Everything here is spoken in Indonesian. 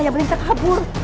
yang penting kita kabur